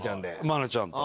愛菜ちゃんと。